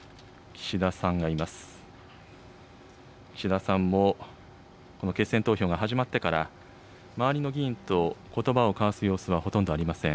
岸田さんも、この決選投票が始まってから、周りの議員とことばを交わす様子はほとんどありません。